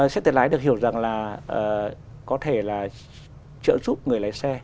xe tự lái được hiểu rằng là có thể là trợ giúp người lái xe